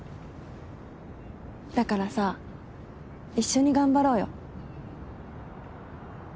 だからさ一緒に頑張ろうよ。